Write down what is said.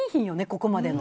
ここまでの。